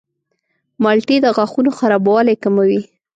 مالټې د غاښونو خرابوالی کموي.